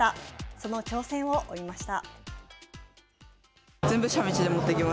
その挑戦を追いました。